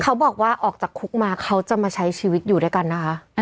เขาบอกว่าออกจากคุกมาเขาจะมาใช้ชีวิตอยู่ด้วยกันนะคะ